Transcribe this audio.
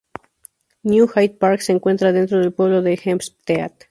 New Hyde Park se encuentra dentro del pueblo de Hempstead.